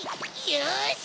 よし！